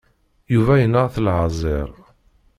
Yuba yenɣa-t leɛziṛ.